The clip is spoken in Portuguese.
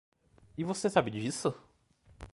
E você sabe disso.